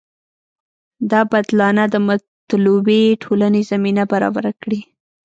دا بدلانه د مطلوبې ټولنې زمینه برابره کړي.